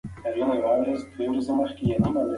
ګډونوالو وویل چې دوی د شنه او ابي ترمنځ بېل رنګ ولید.